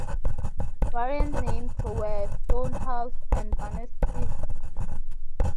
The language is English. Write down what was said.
Variant names were "Stone House" and "Barnetsville".